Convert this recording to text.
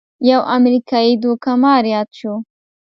یو امریکايي دوکه مار یاد شو.